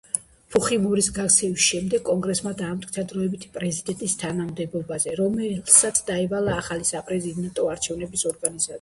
ფუხიმორის გაქცევის შემდეგ კონგრესმა დაამტკიცა დროებითი პრეზიდენტის თანამდებობაზე, რომელსაც დაევალა ახალი საპრეზიდენტო არჩევნების ორგანიზაცია.